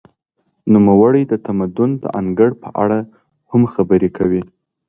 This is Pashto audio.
نوموړی د تمدن د انګړ په اړه هم خبري کوي.